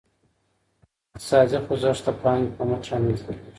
اقتصادي خوځښت د پانګي په مټ رامنځته کیږي.